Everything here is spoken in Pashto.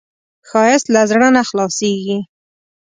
ښایست له زړه نه خلاصېږي